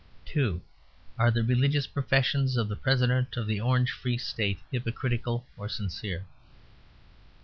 II. Are the religious professions of the President of the Orange Free State hypocritical or sincere?